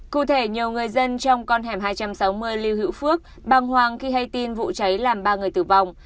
cụ thể nhiều người dân trong con hẻm hai trăm sáu mươi lưu hữu phước băng hoàng khi hay tin vụ cháy làm ba người tử vong